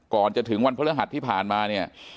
ก่อนจะถึงวันพฤหัสที่ผ่านมาเนี่ย